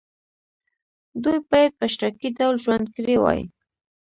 دوی باید په اشتراکي ډول ژوند کړی وای.